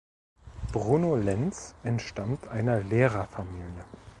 Bruno Lenz entstammt einer Lehrerfamilie.